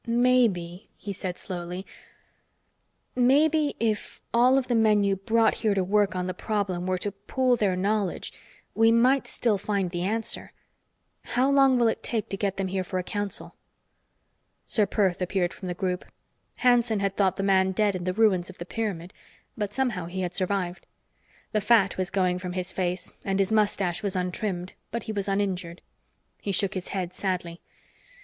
"Maybe," he said slowly. "Maybe, if all of the men you brought here to work on the problem were to pool their knowledge, we might still find the answer. How long will it take to get them here for a council?" Ser Perth appeared from the group. Hanson had thought the man dead in the ruins of the pyramid, but somehow he had survived. The fat was going from his face, and his mustache was untrimmed, but he was uninjured. He shook his head sadly.